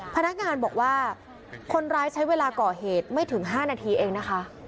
พนักงานบอกว่าคนร้ายใช้เวลาก่อเหตุไม่ถึง๕นาทีเองนะคะ